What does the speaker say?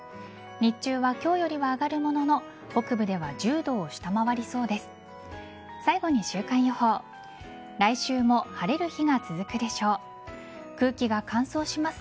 日中は今日よりは上がるものの北部では１０度を下回りそうです。